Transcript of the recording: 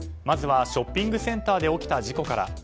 まずはショッピングセンターで起きた事故から。